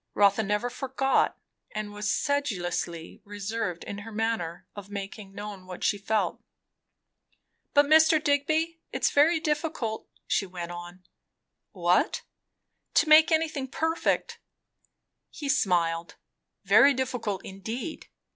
Rotha never forgot, and was sedulously reserved in her manner of making known what she felt. "But Mr. Digby, it is very difficult," she went on. "What?" "To make anything perfect." He smiled. "Very difficult indeed.